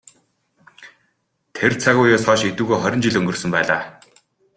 Тэр цаг үеэс хойш эдүгээ хорин жил өнгөрсөн байлаа.